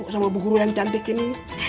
sama bu guru yang cantik ini